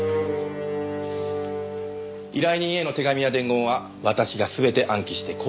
依頼人への手紙や伝言は私が全て暗記して口頭で伝える。